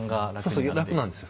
そうそう楽なんですよ。